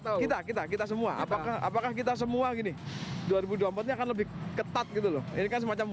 kita kita semua apakah kita semua gini dua ribu dua puluh empat nya akan lebih ketat gitu loh ini kan semacam